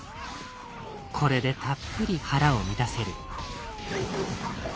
これでたっぷり腹を満たせる。